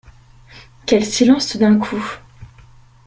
Quel silence, tout d’un coup !…